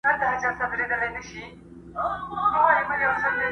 هم يې وچیچل اوزگړي او پسونه!.